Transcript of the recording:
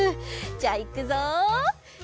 じゃあいくぞ。